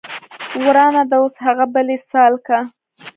ورانه ده اوس هغه بلۍ سالکه